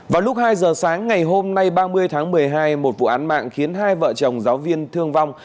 vào lúc hai giờ sáng ngày hôm nay ba mươi tháng một mươi hai một vụ án mạng khiến hai vợ chồng giáo viên thương vong